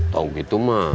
tau gitu mah